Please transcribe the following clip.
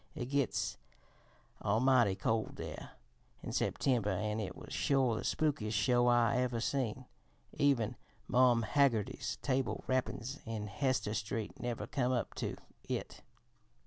It gits almighty cold there in September, an' it was sure the spookiest show I ever seen. Even Marm Haggerty's table rappin's in Hester Street never come up to it.